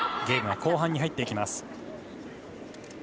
ゲームは後半に入っていきます。